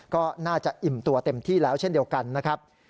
ก็น่าจะอิ่มตัวเต็มที่แล้วเช่นเดียวกันนะครับ